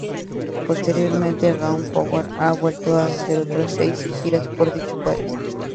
Posteriormente, Raw Power ha vuelto a hacer otras seis giras por dicho país.